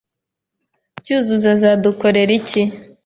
Cyuzuzo azadukorera iki?